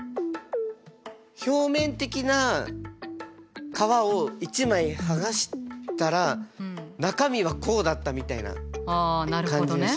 表面的な皮を一枚剥がしたら中身はこうだったみたいな感じがしますね。